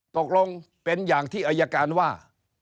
ตกลงเป็นอย่างที่อายการว่า